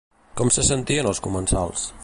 Com se sentien els comensals?